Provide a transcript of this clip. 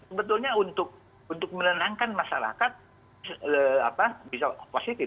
sebetulnya untuk menenangkan masyarakat bisa positif